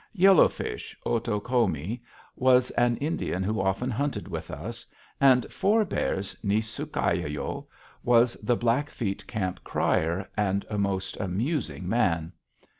Yellow Fish (O to ko´ mi) was an Indian who often hunted with us, and Four Bears (Nis su´ kyai yo) was the Blackfeet camp crier, and a most amusing man.